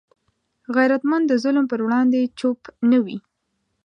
غیرتمند د ظلم پر وړاندې چوپ نه وي